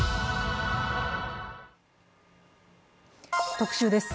「特集」です。